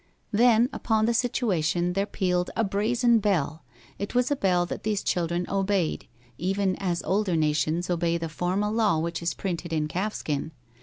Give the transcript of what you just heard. Then upon the situation there pealed a brazen bell. It was a bell that these children obeyed, even as older nations obey the formal law which is printed in calf skin.